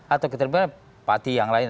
atau keterlibatan pati yang lain